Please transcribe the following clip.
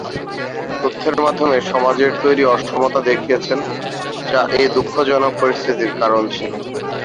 তথ্যের মাধ্যমে সমাজের তৈরি অসমতা দেখিয়েছেন যা এ দুঃখজনক পরিস্থিতির কারণ ছিল।